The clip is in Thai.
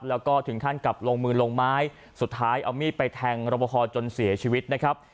แล้วก็ถึงขั้นกับลงมือลงไม้สุดท้ายเอามีดไปแทงรบพอจนเสียชีวิตนะครับ